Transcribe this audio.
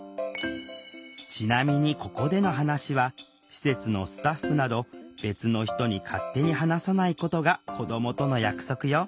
ちなみにここでの話は施設のスタッフなど別の人に勝手に話さないことが子どもとの約束よ。